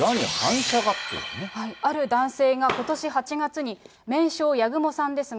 ある男性がことし８月に、麺匠八雲さんですが。